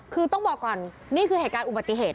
คือต้องบอกก่อนนี่คือเหตุการณ์อุบัติเหตุ